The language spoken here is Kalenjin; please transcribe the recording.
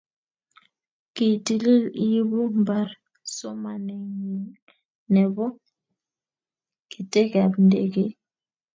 kiitil iibu mbar somaneng'ing nebo ketekab ndekee?